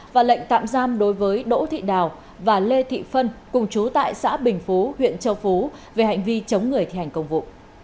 và lệnh tạm giam đối với đỗ thị đào và lê thị phân cùng chú tại xã bình phú huyện châu phú về hành vi chống người thi hành công vụ